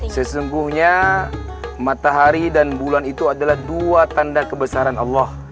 sesungguhnya matahari dan bulan itu adalah dua tanda kebesaran allah